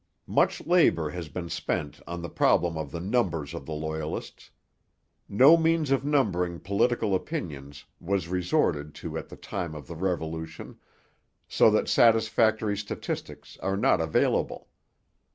Much labour has been spent on the problem of the numbers of the Loyalists. No means of numbering political opinions was resorted to at the time of the Revolution, so that satisfactory statistics are not available.